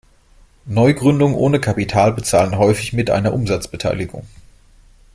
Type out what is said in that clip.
Neugründungen ohne Kapital bezahlen häufig mit einer Umsatzbeteiligung.